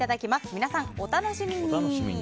皆さん、お楽しみに。